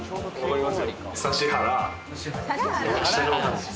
指原。